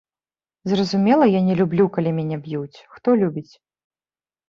Зразумела, я не люблю, калі мяне б'юць, хто любіць?